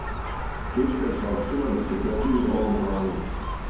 Турска је саопштила да се противи овом плану.